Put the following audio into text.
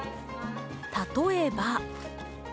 例えば。